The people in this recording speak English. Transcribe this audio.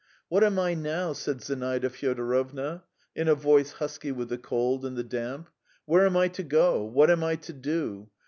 "What am I now?" said Zinaida Fyodorovna, in a voice husky with the cold and the damp. "Where am I to go? What am I to do?